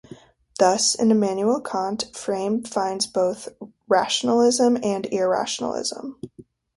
Thus, in Immanuel Kant, Frame finds both rationalism and irrationalism.